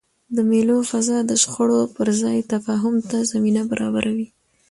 د مېلو فضا د شخړو پر ځای تفاهم ته زمینه برابروي.